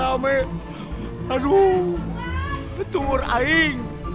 aku mah mau mukul mukulills